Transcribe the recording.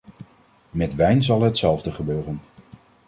Met wijn zal hetzelfde gebeuren.